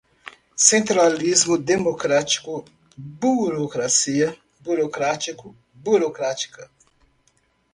Centralismo democrático, burocracia, burocrático, burocrática